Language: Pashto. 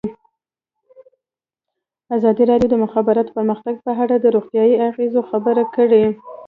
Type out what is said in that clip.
ازادي راډیو د د مخابراتو پرمختګ په اړه د روغتیایي اغېزو خبره کړې.